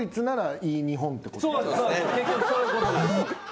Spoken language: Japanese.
結局そういうことなんです。